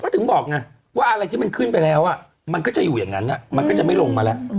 ถึงบอกไงว่าอะไรที่มันขึ้นไปแล้วมันก็จะอยู่อย่างนั้นมันก็จะไม่ลงมาแล้ว